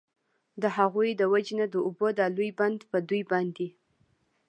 د هغوی د وجي نه د اوبو دا لوی بند په دوی باندي